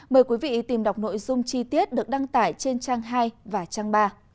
mời quý vị tìm đọc nội dung chi tiết được đăng tải trên trang hai và trang ba